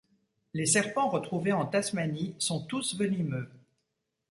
Les serpents retrouvés en Tasmanie sont tous venimeux.